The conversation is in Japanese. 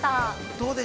◆どうです？